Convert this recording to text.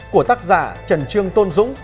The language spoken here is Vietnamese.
của tác giả trần trương tôn dũng